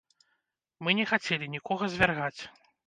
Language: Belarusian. Мы не хацелі нікога звяргаць.